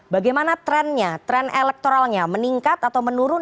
bagaimana trennya tren elektoralnya meningkat atau menurun